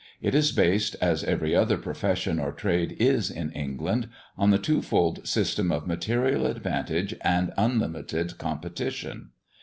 It is based, as every other profession or trade is in England, on the two fold system of material advantage and unlimited competition.